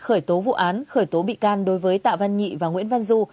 khởi tố vụ án khởi tố bị can đối với tạ văn nhị và nguyễn văn du